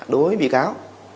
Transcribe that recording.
đối với bị cáo